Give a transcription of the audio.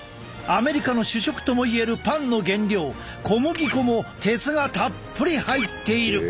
アメリカの主食とも言えるパンの原料小麦粉も鉄がたっぷり入っている。